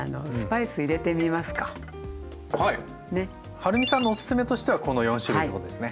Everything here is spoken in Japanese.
はるみさんのおすすめとしてはこの４種類ってことですね。